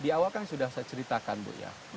di awal kan sudah saya ceritakan bu ya